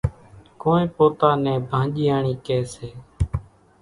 ڪونئين پوتا نين ڀانڄياڻِي ڪيَ سي۔